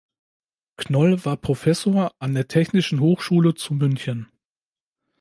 Knoll war Professor an der technischen Hochschule zu München.